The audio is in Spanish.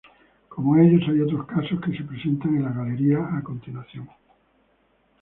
Como ellos hay otros casos que se presentan en la galería a continuación.